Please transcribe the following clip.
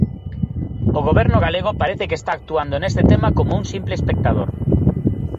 O Goberno galego parece que está actuando neste tema como un simple espectador.